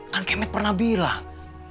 kan kemet pernah bilang